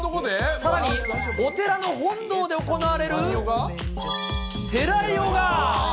さらにお寺の本堂で行われる、寺ヨガ。